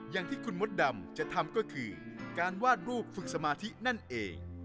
อย่างที่คุณมดดำจะทำก็คือการวาดรูปฝึกสมาธินั่นเอง